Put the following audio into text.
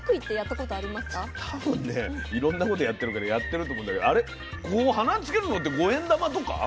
たぶんねいろんなことやってるからやってると思うんだけどあれここ鼻につけるのって５円玉とか？